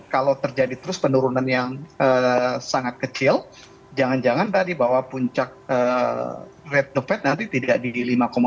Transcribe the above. kalau terjadi terus penurunan yang sangat kecil jangan jangan tadi bahwa puncak rate the fed nanti tidak di lima dua